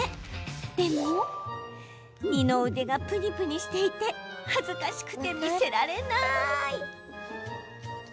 でも二の腕がぷにぷにしていて恥ずかしくて見せられない。